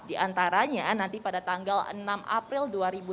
di antaranya nanti pada tanggal enam april dua ribu dua puluh dua